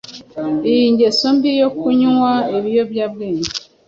iyi ngeso mbi yo kunywa ibiyobyabwenge